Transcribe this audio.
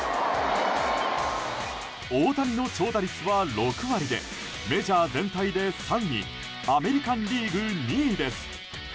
大谷の長打率は６割でメジャー全体で３位アメリカン・リーグ２位です。